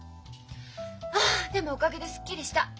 ああでもおかげですっきりした。